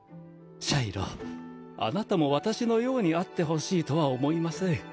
シャイロあなたも私のようにあってほしいとは思いません。